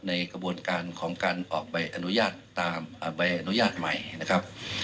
ในกระบวนการของการออกใบอนุญาตตามใบอนุญาตใหม่นะครับ